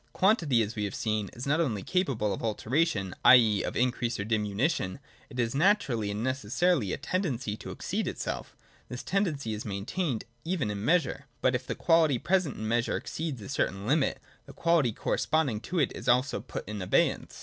Quantity, as we have seen, is not only capable of alteration, i. e. of increase or diminution : it is naturally and necessarily a tendency to exceed itself. This tendency is maintained " even in measure. '■'But if the quantity present in measure exceeds "a certain limit, the quality corresponding to it is also put in abeyance.